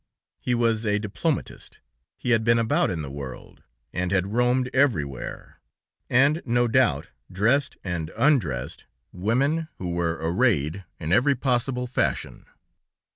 He was a diplomatist, he had been about in the world, and had roamed everywhere, and, no doubt, dressed and undressed women who were arrayed in every possible fashion!